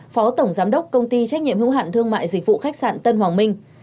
phó tổng giám đốc công ty trách nhiệm hữu hạn thương mại dịch vụ khách sạn tân hoàng minh